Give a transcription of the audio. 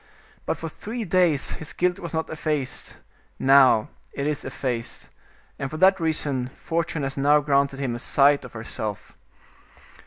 But for three days his guilt was not effaced; now it is effaced, and for that reason Fortune has now granted him a sight of herself."